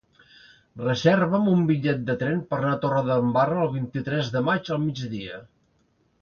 Reserva'm un bitllet de tren per anar a Torredembarra el vint-i-tres de maig al migdia.